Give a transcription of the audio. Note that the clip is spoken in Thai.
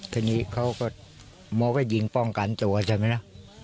ทีนี้เขาก็หมอก็ยิงป้องกันตัวใช่ไหมนะ